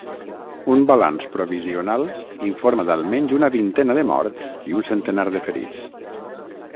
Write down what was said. Un balanç provisional informa d'almenys una vintena de morts i un centenar de ferits.